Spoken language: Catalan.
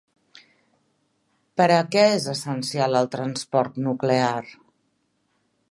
Per a què és essencial el transport nuclear?